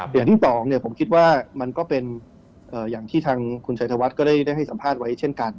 อย่างที่สองผมคิดว่ามันก็เป็นอย่างที่ทางคุณชัยธวัฒน์ก็ได้ให้สัมภาษณ์ไว้เช่นกัน